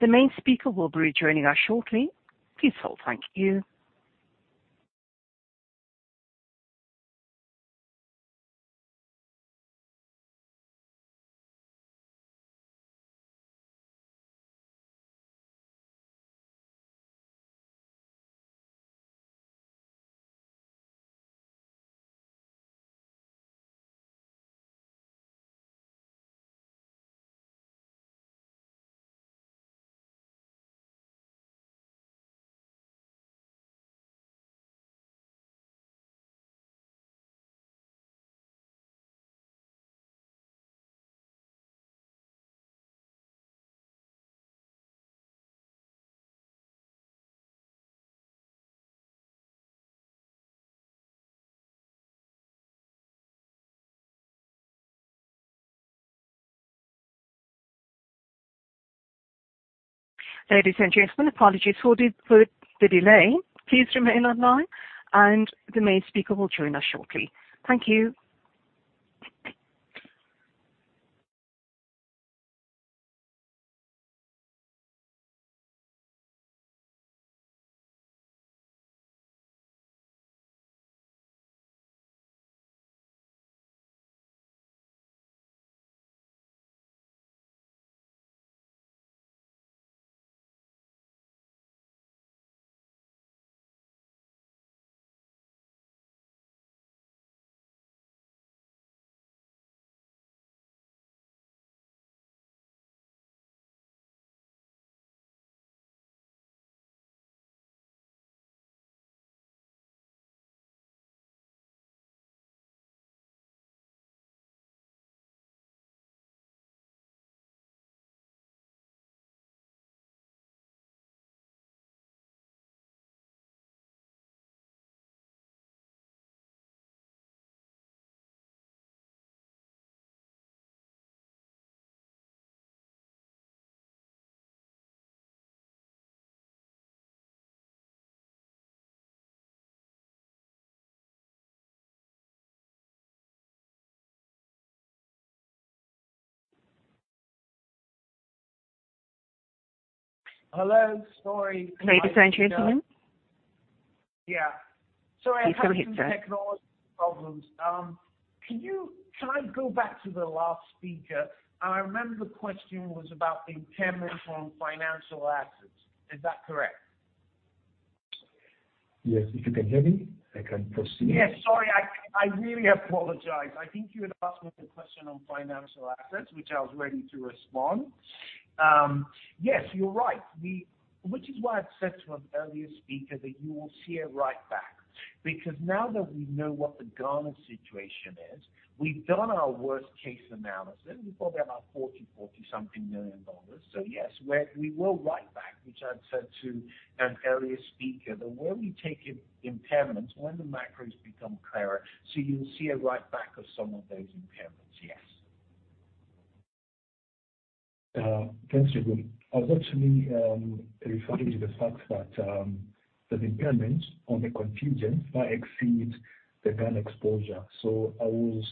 The main speaker will be rejoining us shortly. Please hold. Thank you. Ladies and gentlemen, apologies for the delay. Please remain online, and the main speaker will join us shortly. Thank you. Hello. Sorry- Ladies and gentlemen. Yeah. Sorry, Please go ahead, sir.... I was having technology problems. Can I go back to the last speaker? I remember the question was about the impairment on financial assets. Is that correct? Yes, if you can hear me, I can proceed. Yes, sorry. I, I really apologize. I think you had asked me the question on financial assets, which I was ready to respond. Yes, you're right. Which is why I said to an earlier speaker, that you will see a write back. Because now that we know what the Ghana situation is, we've done our worst case analysis, we've got about $40-something million. So yes, we, we will write back, which I've said to an earlier speaker, that when we take impairments, when the macros become clearer, so you'll see a write back of some of those impairments. Yes. Thanks again. I was actually referring to the fact that the impairment on the contingent might exceed the Ghana exposure. So I was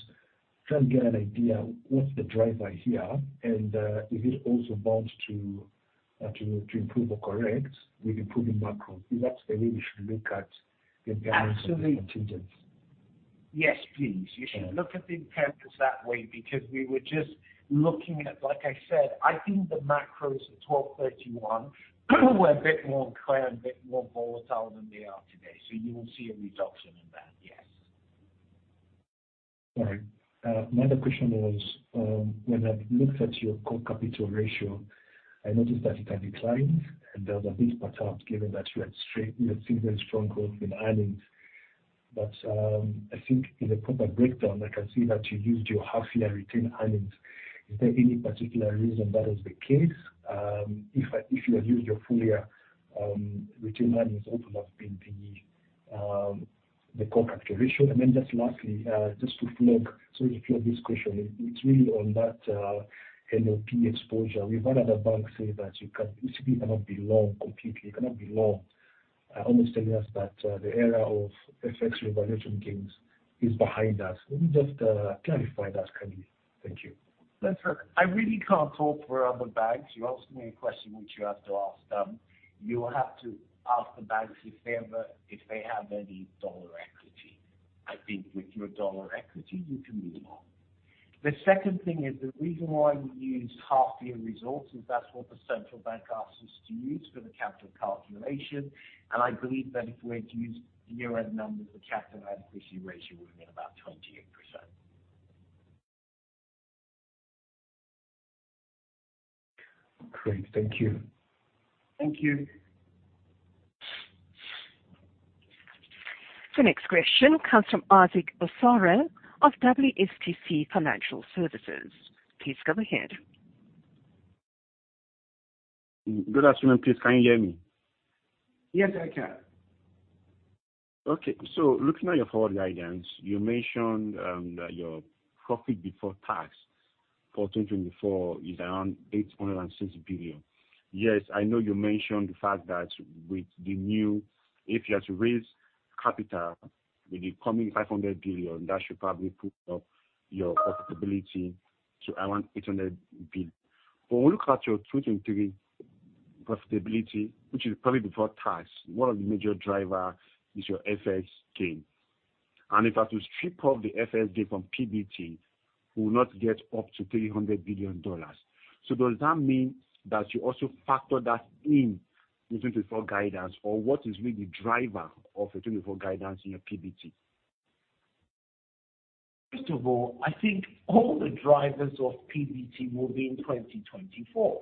trying to get an idea, what's the driver here, and is it also bound to improve or correct with improving macro? Is that the way we should look at the impairment? Absolutely. -contigents? Yes, please. Yeah. You should look at the impairments that way, because we were just looking at, like I said, I think the macros at 12/31 were a bit more clear and a bit more volatile than they are today. So you will see a reduction in that. Yes. All right. My other question was, when I looked at your core capital ratio, I noticed that it had declined, and there was a bit of a headwind, given that you had seen very strong growth in earnings. I think in a proper breakdown, I can see that you used your half year retained earnings. Is there any particular reason that is the case? If you had used your full year retained earnings, what would have been the core capital ratio? And then just lastly, just to follow up, so if you have this question, it's really on that NPL exposure. We've had other banks say that you cannot be long, completely, you cannot be long. Almost telling us that the era of FX revaluation gains is behind us. Can you just, clarify that kindly? Thank you. Look, sir, I really can't talk for other banks. You asked me a question which you have to ask them. You will have to ask the banks if they have, if they have any dollar equity. I think with your dollar equity, you can move on. The second thing is, the reason why we used half year results, is that's what the central bank asked us to use for the capital calculation. And I believe that if we had used the year-end numbers, the capital adequacy ratio would have been about 28%. Great. Thank you. Thank you. The next question comes from Isaac Busari of WSTC Financial Services. Please go ahead. Good afternoon. Please, can you hear me? Yes, I can. Okay. So looking at your forward guidance, you mentioned that your profit before tax for 2024 is around 860 billion. Yes, I know you mentioned the fact that with the new, if you are to raise capital, with the coming 500 billion, that should probably put up your profitability to around 800 billion. But when you look at your 2023 profitability, which is probably before tax, one of the major driver is your FX gain. And if I have to strip off the FX gain from PBT... will not get up to $300 billion. So does that mean that you also factor that in the 2024 guidance, or what is really driver of the 2024 guidance in your PBT? First of all, I think all the drivers of PBT will be in 2024.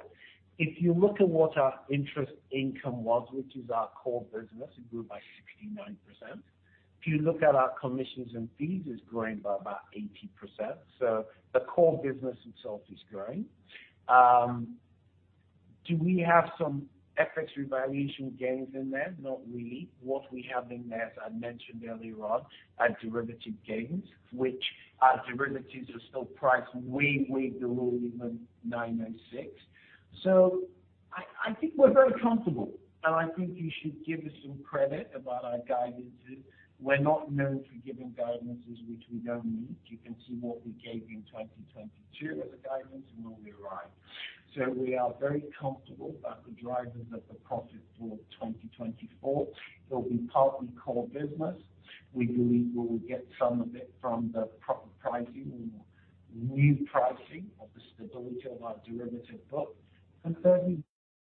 If you look at what our interest income was, which is our core business, it grew by 69%. If you look at our commissions and fees, it's growing by about 80%, so the core business itself is growing. Do we have some FX revaluation gains in there? Not really. What we have in there, as I mentioned earlier on, are derivative gains, which our derivatives are still priced way, way below even 906. So I, I think we're very comfortable, and I think you should give us some credit about our guidances. We're not known for giving guidances, which we don't meet. You can see what we gave you in 2022 as a guidance, and where we arrived. We are very comfortable about the drivers of the profit for 2024. They'll be partly core business. We believe we will get some of it from the proper pricing, or new pricing of the stability of our derivative book.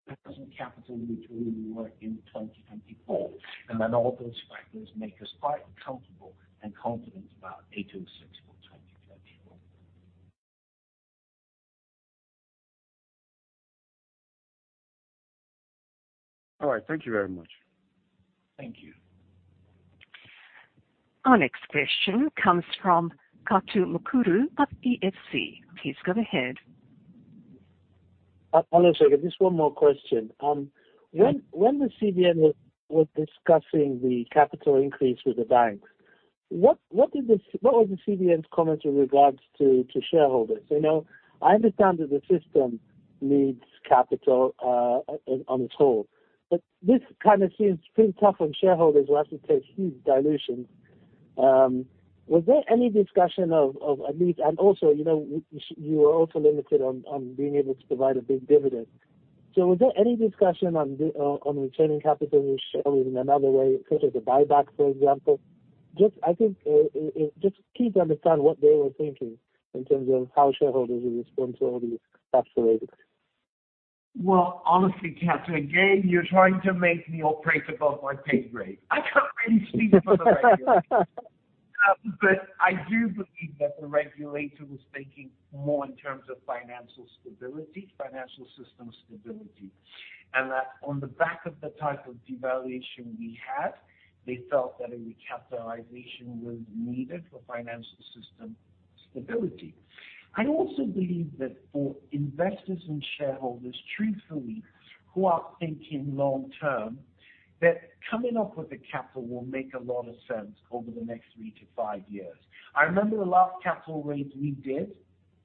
uncertain, which we will work in 2024, and then all those factors make us quite comfortable and confident about 806 for 2024. All right. Thank you very much. Thank you. Our next question comes from Kato Mukuru of EFG. Please go ahead. Just one more question. When the CBN was discussing the capital increase with the banks, what did the... What was the CBN's comment with regards to shareholders? You know, I understand that the system needs capital on the whole, but this kind of seems pretty tough on shareholders who have to take huge dilutions. Was there any discussion of at least... And also, you know, you are also limited on being able to provide a big dividend. So was there any discussion on returning capital with shareholders in another way, such as a buyback, for example? Just, I think, just keen to understand what they were thinking in terms of how shareholders will respond to all these capital raises. Well, honestly, Kato, again, you're trying to make me operate above my pay grade. I can't really speak for the regulators. But I do believe that the regulator was thinking more in terms of financial stability, financial system stability, and that on the back of the type of devaluation we had, they felt that a recapitalization was needed for financial system stability. I also believe that for investors and shareholders, truthfully, who are thinking long term, that coming up with the capital will make a lot of sense over the next three to five years. I remember the last capital raise we did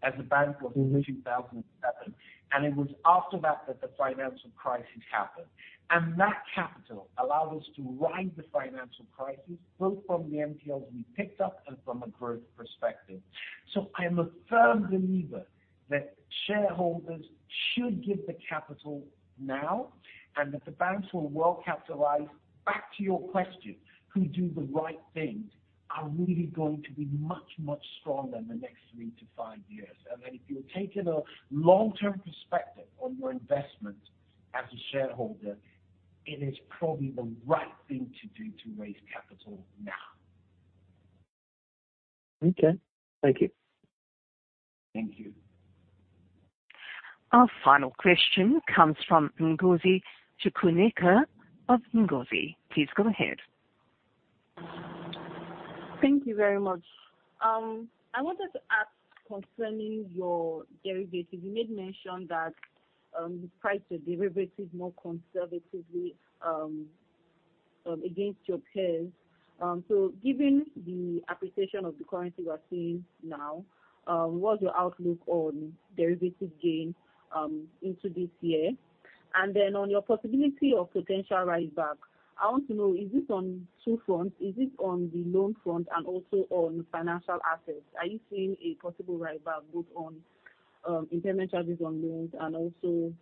as a bank was in 2007, and it was after that, that the financial crisis happened. And that capital allowed us to ride the financial crisis, both from the NPLs we picked up and from a growth perspective. So I am a firm believer that shareholders should give the capital now, and that the banks will well capitalize. Back to your question, who do the right things are really going to be much, much stronger in the next three to five years. Then if you're taking a long-term perspective on your investment as a shareholder, it is probably the right thing to do to raise capital now. Okay. Thank you. Thank you. Our final question comes from Ngozi Chukwuneke of Anchoria. Please go ahead. Thank you very much. I wanted to ask concerning your derivative. You made mention that you priced your derivatives more conservatively against your peers. So given the appreciation of the currency we are seeing now, what's your outlook on derivative gains into this year? And then on your possibility of potential write-back, I want to know, is this on two fronts? Is this on the loan front and also on financial assets? Are you seeing a possible write-back both on impairment charges on loans and also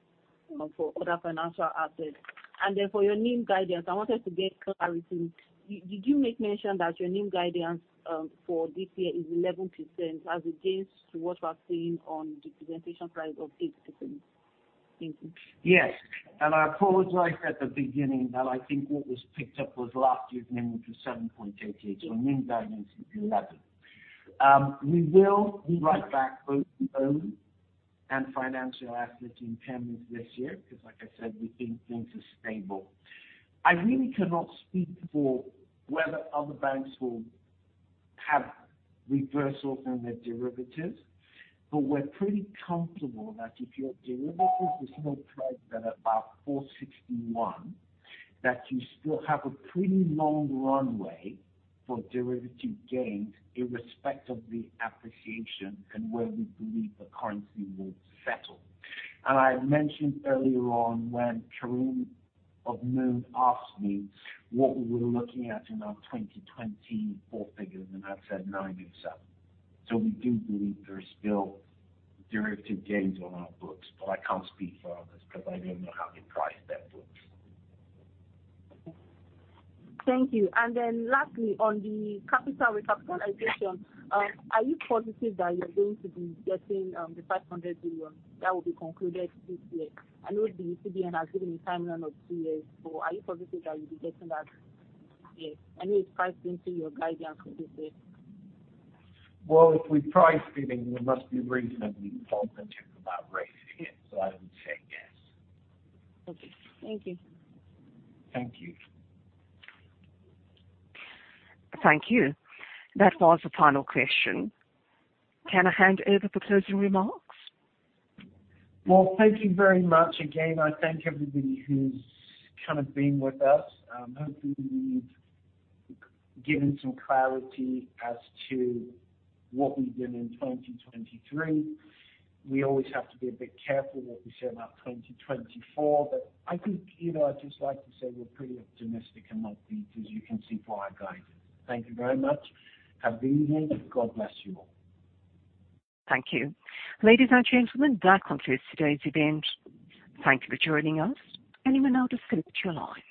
for other financial assets? And then for your NIM guidance, I wanted to get clarity. Did you make mention that your NIM guidance for this year is 11% as against to what we're seeing on the presentation slide of 8%? Thank you. Yes, and I apologized right at the beginning that I think what was picked up was last year's NIM, which was 7.88%. So our NIM guidance is 11%. We will write back both the own and financial asset impairments this year, because like I said, we think things are stable. I really cannot speak for whether other banks will have reversals on their derivatives, but we're pretty comfortable that if your derivatives are still priced at about 461, that you still have a pretty long runway for derivative gains, irrespective of the appreciation and where we believe the currency will settle. And I mentioned earlier on, when Karim of Moon asked me what we were looking at in our 2024 figures, and I said nine and seven. So we do believe there are still derivative gains on our books, but I can't speak for others, because I don't know how they price their books. Thank you. And then lastly, on the capital recapitalization, are you positive that you're going to be getting the 500 billion that will be concluded this year? I know the CBN has given a timeline of two years, so are you positive that you'll be getting that this year? I know it's priced into your guidance for this year. Well, if we price it in, we must be reasonably positive about raising it, so I would say yes. Okay. Thank you. Thank you. Thank you. That was the final question. Can I hand over for closing remarks? Well, thank you very much. Again, I thank everybody who's kind of been with us. Hopefully, we've given some clarity as to what we did in 2023. We always have to be a bit careful what we say about 2024, but I think, you know, I'd just like to say we're pretty optimistic and upbeat, as you can see by our guidance. Thank you very much. Have a good evening. God bless you all. Thank you. Ladies and gentlemen, that concludes today's event. Thank you for joining us, and you may now disconnect your lines.